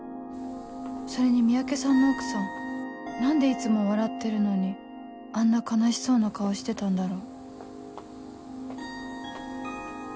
それに三宅さんの奥さん何でいつも笑ってるのにあんな悲しそうな顔してたんだろう？